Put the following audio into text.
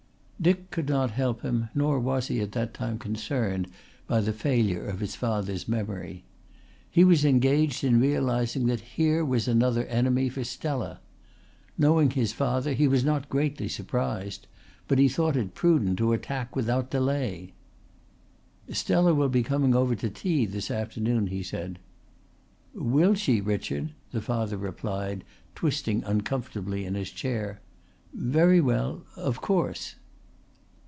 Dick could not help him, nor was he at that time concerned by the failure of his father's memory. He was engaged in realising that here was another enemy for Stella. Knowing his father, he was not greatly surprised, but he thought it prudent to attack without delay. "Stella will be coming over to tea this afternoon," he said. "Will she, Richard?" the father replied, twisting uncomfortably in his chair. "Very well of course."